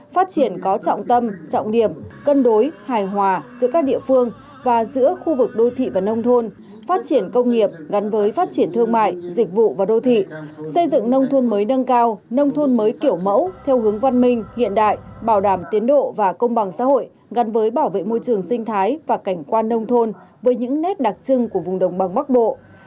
phát triển có trọng tâm trọng điểm cân đối hài hòa giữa các địa phương và giữa khu vực đô thị và nông thôn phát triển công nghiệp gắn với phát triển thương mại dịch vụ và đô thị xây dựng nông thôn mới nâng cao nông thôn mới kiểu mẫu theo hướng văn minh hiện đại bảo đảm tiến độ và công bằng xã hội gắn với bảo vệ môi trường sinh thái và cảnh quan nông thôn với những nét đặc trưng của vùng đồng bằng bắc bộ